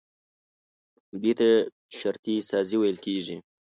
همدې ته شرطي سازي ويل کېږي.